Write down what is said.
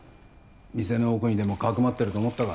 店の奥にでもかくまってると思ったか